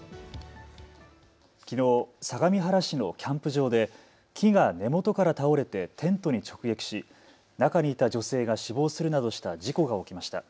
きのう、相模原市のキャンプ場で木が根元から倒れてテントに直撃し、中にいた女性が死亡するなどした事故が起きました。